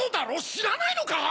知らないのか！？